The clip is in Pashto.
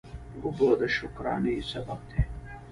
اوبه د شکرانه سبب دي.